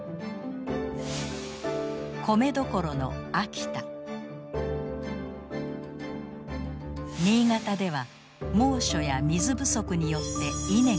米どころの秋田新潟では猛暑や水不足によって稲が枯れ生産者は途方に暮れています。